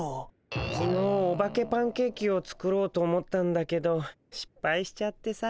きのうオバケパンケーキを作ろうと思ったんだけどしっぱいしちゃってさ。